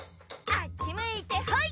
あっちむいてほい！